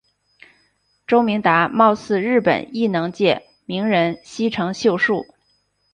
周达明貌似日本艺能界名人西城秀树。